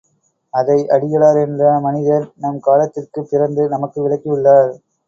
அதை அடிகளார் என்ற மனிதர் நம் காலத்தில் பிறந்து, நமக்கு விளக்கியுள்ளார்.